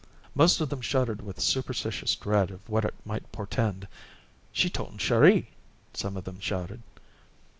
Most of them shuddered with superstitious dread of what it might portend. "She totin' Chéri!" some of them shouted.